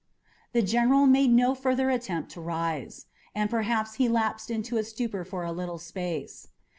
The general made no further attempt to rise, and perhaps he lapsed into a stupor for a little space.